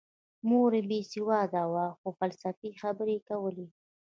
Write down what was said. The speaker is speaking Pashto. مور یې بې سواده وه خو فلسفي خبرې یې کولې